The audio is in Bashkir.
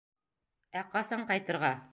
Ә ҡасан... ҡайтырға?